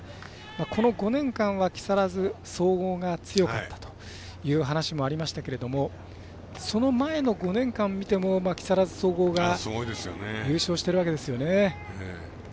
この５年間は、木更津総合が強かったという話もありましたがその前の５年間を見ても木更津総合が優勝してるわけですよね。